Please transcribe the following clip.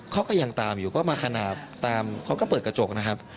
เขาก็ยังตามอยู่ก็มาขนาดตามเขาก็เปิดกระจกนะครับ